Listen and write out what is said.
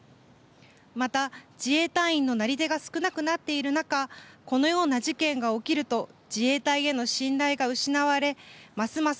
また、自衛隊員のなり手が少なくなっている中このような事件が起きると自衛隊への信頼が失われますます